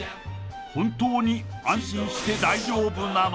本当に安心して大丈夫なの？